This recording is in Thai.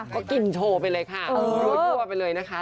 ก็กินโชว์ไปเลยค่ะรั่วไปเลยนะคะ